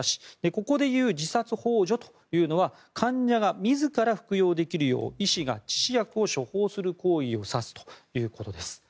ここでいう自殺ほう助というのは患者が自ら服用できるよう医師が致死薬を処方する行為を指すということです。